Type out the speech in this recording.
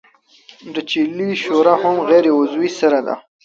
د چیلې شوره هم غیر عضوي سره ده.